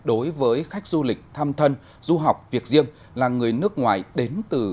đối với khách du lịch thăm thân du học việc riêng là người nước ngoài đến từ